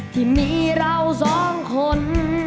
ที่มีเราสองคน